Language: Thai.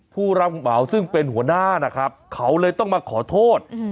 ผู้รับเหมาซึ่งเป็นหัวหน้านะครับเขาเลยต้องมาขอโทษ